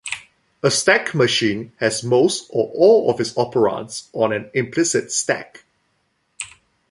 A stack machine has most or all of its operands on an implicit stack.